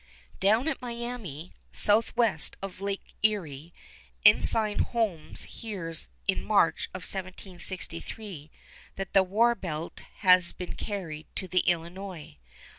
Down at Miami, southwest of Lake Erie, Ensign Holmes hears in March of 1763 that the war belt has been carried to the Illinois.